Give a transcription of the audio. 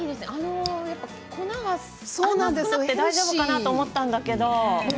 粉が少なくて大丈夫かなと思ったんですけれど。